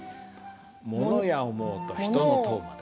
「物や思ふと人の問ふまで」